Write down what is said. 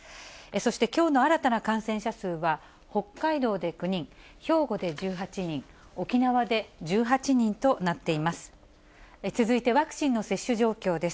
そしてきょうの新たな感染者数は、北海道で９人、兵庫で１８人、沖縄で１８人となっています。